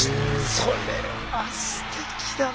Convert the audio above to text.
それはすてきだな。